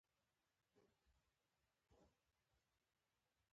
• ځینې پښتو نومونه د طبیعت نه اخستل شوي دي.